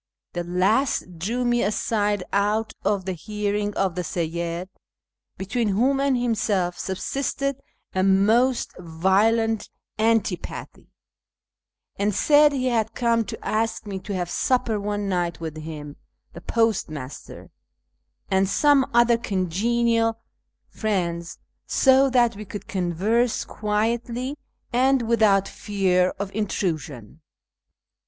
The last drew me aside out of the hearing of the Seyyid (between whom and himself subsisted a most violent antipathy), and said he had come to ask me to have supper one night with him, the postmaster, and some other congenial friends, so that we could converse quietly and without fear of intrusion.